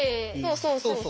そうそう。